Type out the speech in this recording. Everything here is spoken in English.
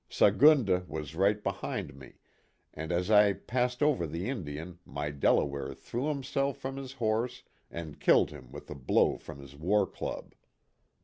Sagunda was right behind me, and as I passed over the Indian my Delaware threw himself from his horse and killed him with a blow from his war club.